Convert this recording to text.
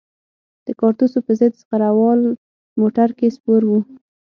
د کارتوسو په ضد زغره وال موټر کې سپور وو.